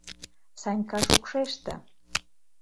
Санька шокшеште.